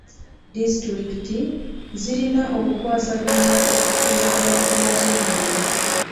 Disitulikiti zirina okukwasaganya obukuubagano bwazo munda.